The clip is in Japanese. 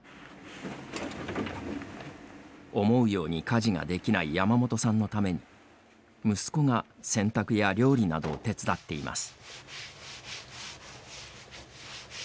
思うように家事ができない山本さんのために、息子が洗濯や料理などを手伝っています。